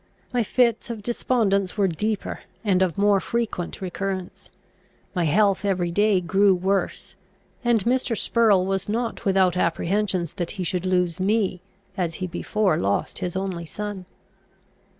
My fits of despondence were deeper, and of more frequent recurrence. My health every day grew worse; and Mr. Spurrel was not without apprehensions that he should lose me, as he before lost his only son.